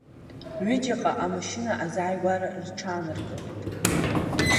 Ҩыџьаҟа амашьына азааигәара рҽааныркылеит.